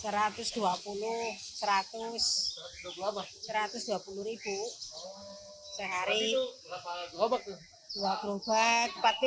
satu ratus dua puluh rupiah sehari